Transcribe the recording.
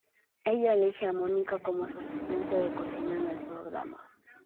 Ella elige a Mónica como su asistente de cocina en el programa.